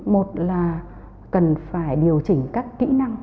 một là cần phải điều chỉnh các kỹ năng